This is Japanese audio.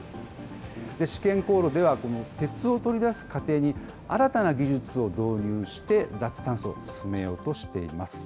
試験高炉では、この鉄を取り出す過程に新たな技術を導入して、脱炭素を進めようとしています。